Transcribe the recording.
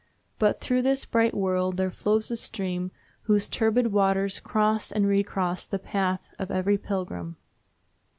But through this bright world there flows a stream whose turbid waters cross and recross the path of every pilgrim.